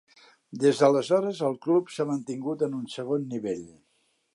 Des d'aleshores el club s'ha mantingut en un segon nivell.